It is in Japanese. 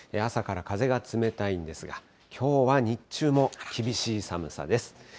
朝から風が冷たいんですが、きょうは日中も厳しい寒さです。